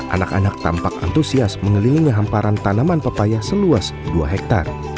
anak anak tampak antusias mengelilingi hamparan tanaman pepayah seluas dua hektare